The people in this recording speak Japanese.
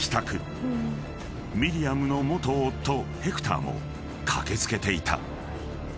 ［ミリアムの元夫ヘクターも駆け付けていた］